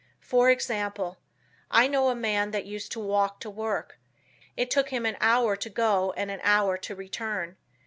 For example, I know a man that used to walk to work. It took him an hour to go and an hour to return.